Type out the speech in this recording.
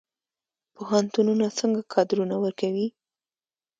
پوهنتونونه څنګه کادرونه ورکوي؟